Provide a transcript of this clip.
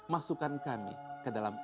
masukkan kami ke dalam